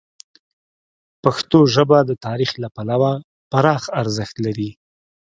پښتو ژبه د تاریخ له پلوه پراخه ارزښت لري.